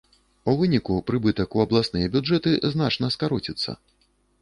У выніку прыбытак у абласныя бюджэты значна скароціцца.